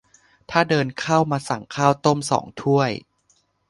ถ้าเดินเข้ามาสั่งข้าวต้มสองถ้วย